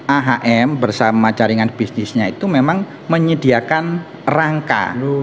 ahm bersama jaringan bisnisnya itu memang menyediakan rangka